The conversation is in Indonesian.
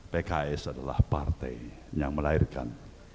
pks adalah partai yang melahirkan